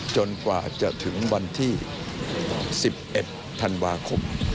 กว่าจะถึงวันที่๑๑ธันวาคม